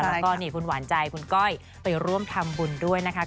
แล้วก็นี่คุณหวานใจคุณก้อยไปร่วมทำบุญด้วยนะคะ